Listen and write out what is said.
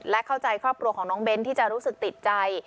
และเข้าใจครอบครัวของน้องเบ้นที่จะรู้สึกติดใจ